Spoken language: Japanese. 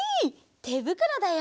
てぶくろだよ！